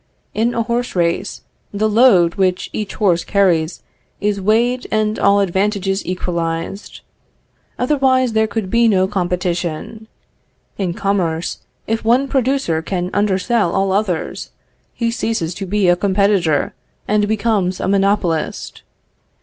In a horse race the load which each horse carries is weighed and all advantages equalized; otherwise there could be no competition. In commerce, if one producer can undersell all others, he ceases to be a competitor and becomes a monopolist....